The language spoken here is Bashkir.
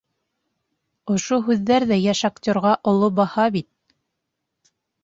Ошо һүҙҙәр ҙә йәш актерға оло баһа бит!